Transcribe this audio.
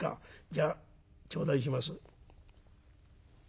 じゃあ頂戴します」。